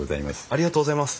ありがとうございます。